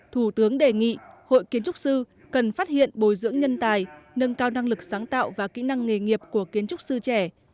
thủ tướng đề nghị hội kiến trúc sư cần phát hiện bồi dưỡng nhân tài nâng cao năng lực sáng tạo và kỹ năng nghề nghiệp của kiến trúc sư trẻ